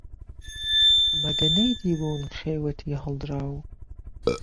مهگه نهیدیبوون خێوهتی ههڵدراو